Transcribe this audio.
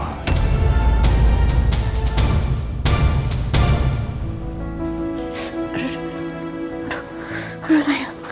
aduh aduh aduh aduh sayang